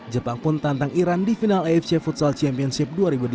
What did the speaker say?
jepang pun tantang iran di final afc futsal championship dua ribu delapan belas